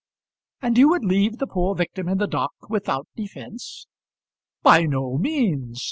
"And you would leave the poor victim in the dock without defence?" "By no means.